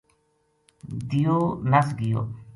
دیو نس گیو